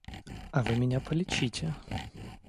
А вы меня полечите.